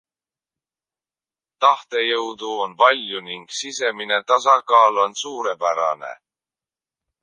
Tahtejõudu on palju ning sisemine tasakaal on suurepärane.